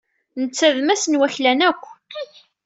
Netta d mass n waklan akk.